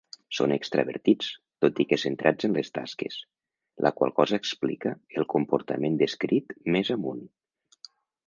Són extravertits, tot i que centrats en les tasques, la qual cosa explica el comportament descrit més amunt.